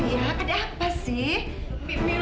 kenapa sih masih teriak teriak